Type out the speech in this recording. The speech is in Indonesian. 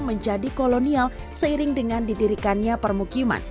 menjadi kolonial seiring dengan didirikannya permukiman